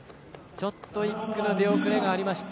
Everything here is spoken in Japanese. ちょっと１区の出遅れがありました。